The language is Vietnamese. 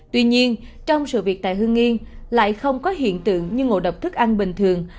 tuy nhiên trong sự việc tại hương nghiên lại không có hiện tượng như ngộ độc thức ăn bình thường